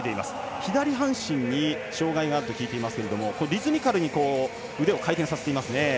左半身に障がいがあると聞いていますが、リズミカルに腕を回転させていますね。